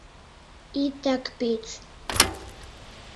— Итак пӱч!